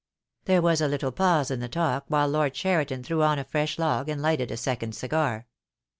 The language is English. There was a little pause in the talk while Lord Cheriton threw on a fresh log and lighted a second cigar.